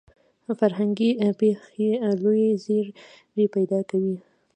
فرهنګي پېښې لوی زیری پیدا کوي.